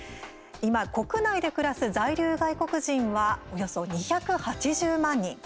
今、国内で暮らす在留外国人はおよそ２８０万人。